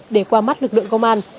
để qua mắt lực lượng công an